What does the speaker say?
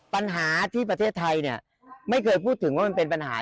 ปัญหาที่ประเทศไทยเนี่ยไม่เคยพูดถึงว่ามันเป็นปัญหา